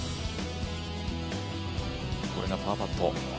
これがパーパット。